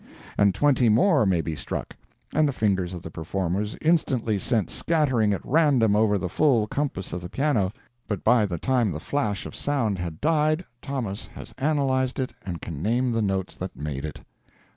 And twenty more may be struck, and the fingers of the performers instantly sent scattering at random over the full compass of the piano—but by the time the flash of sound had died Thomas has analyzed it and can name the notes that made it.